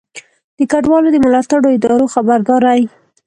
د کډوالو د ملاتړو ادارو خبرداری